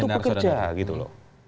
itu bekerja gitu loh